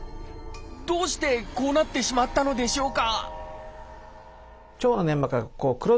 どうしてこうなってしまったのでしょうか？